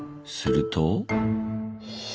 すると。